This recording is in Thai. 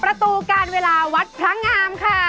ประตูการเวลาวัดพระงามค่ะ